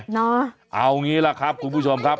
เอางี้ล่ะครับคุณผู้ชมครับ